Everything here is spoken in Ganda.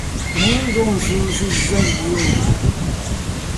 Naye nga onzunzizza nnyo.